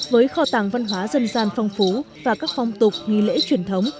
với kho tàng văn hóa dân gian phong phú và các phong tục nghi lễ truyền thống